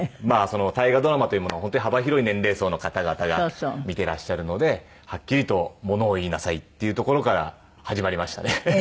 まあその大河ドラマというものは本当に幅広い年齢層の方々が見てらっしゃるのではっきりとものを言いなさいっていうところから始まりましたね。